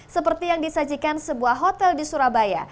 seperti yang disajikan sebuah hotel di surabaya